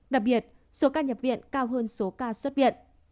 đặc biệt số ca nhập viện cao hơn số ca xuất viện